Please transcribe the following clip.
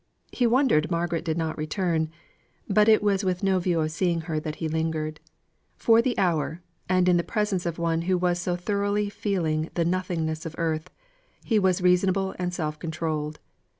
He wondered Margaret did not return; but it was with no view of seeing her that he lingered. For the hour and in the presence of one who was so thoroughly feeling the nothingness of earth he was reasonable and self controlled.